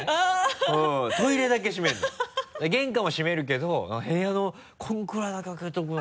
玄関は閉めるけど部屋のこれくらいだけ開けとくの。